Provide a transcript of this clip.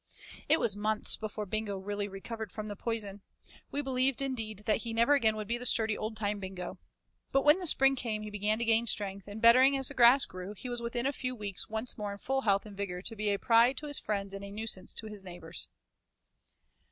It was months before Bingo really recovered from the poison. We believed indeed that he never again would be the sturdy old time Bingo. But when the spring came he began to gain strength, and bettering as the grass grew, he was within a few weeks once more in full health and vigor to be a pride to his friends and a nuisance to his neighbors.